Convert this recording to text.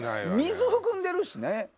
水含んでるしね。